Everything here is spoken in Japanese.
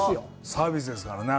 サービスですからね。